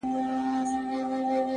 دردونه مي د ستوريو و کتار ته ور وړم”